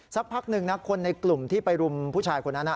สักพักหนึ่งนะคนในกลุ่มที่ไปรุมผู้ชายคนนั้น